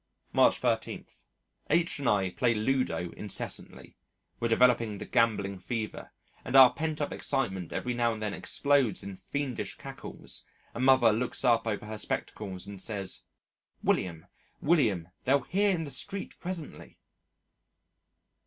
March 13. H and I play Ludo incessantly. We've developed the gambling fever, and our pent up excitement every now and then explodes in fiendish cackles, and Mother looks up over her spectacles and says, "William, William, they'll hear in the street presently."